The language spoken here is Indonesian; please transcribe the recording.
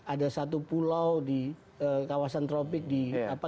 ada satu pulau di kawasan tropik di apa